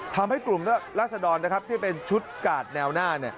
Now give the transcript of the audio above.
ทำให้กลุ่มราศดรที่เป็นชุดกาดแนวหน้า